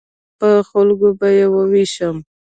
په خلکو به یې ووېشم.